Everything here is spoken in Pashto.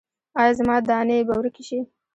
ایا زما دانې به ورکې شي؟